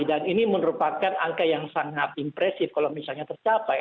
dan ini menurut pak kan angka yang sangat impresif kalau misalnya tercapai